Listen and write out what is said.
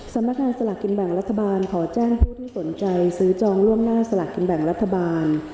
สำนักงานสลากกินแบ่งรัฐบาลขอแจ้งผู้ที่สนใจซื้อจองล่วงหน้าสลากกินแบ่งรัฐบาล